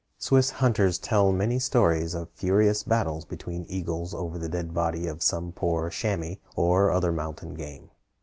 Swiss hunters tell many stories of furious battles between eagles over the dead body of some poor chamois or other mountain game.